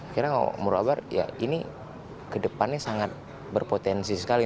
karena menurut akbar ya ini kedepannya sangat berpotensi sekali